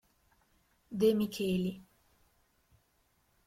De Micheli